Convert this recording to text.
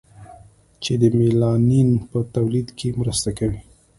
چې د میلانین په تولید کې مرسته کوي.